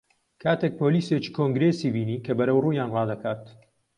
کاتێک پۆلیسێکی کۆنگرێسی بینی کە بەرەو ڕوویان ڕادەکات